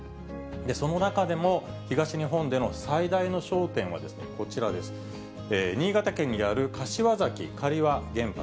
その中でも、東日本での最大の焦点はこちらです、新潟県にある柏崎刈羽原発。